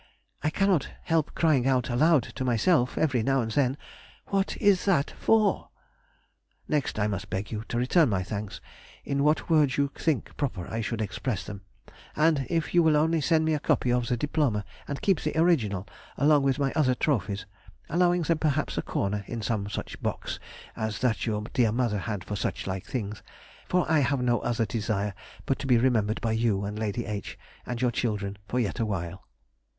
I cannot help crying out aloud to myself, every now and then, What is THAT for? Next I must beg you to return my thanks in what words you think proper I should express them, and if you will only send me a copy of the diploma, and keep the original along with my other trophies, allowing them perhaps a corner in some such box as that your dear mother had for suchlike things, for I have no other desire but to be remembered by you and Lady H., and your children, for yet awhile....